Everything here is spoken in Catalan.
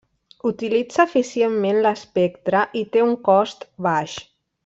Utilitza eficientment l'espectre i té un cost baix.